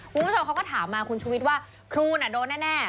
คุณผู้ชมเขาก็ถามมาคุณชุวิตว่าครูน่ะโดนแน่